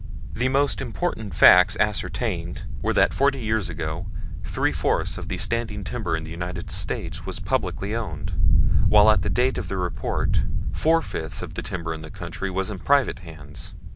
The most important facts ascertained were that forty years ago three fourths of the standing timber in the United States was publicly owned, while at the date of the report four fifths of the timber in the country was in private hands.